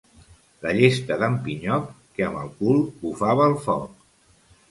La llesta d'en Pinyoc, que amb el cul bufava el foc.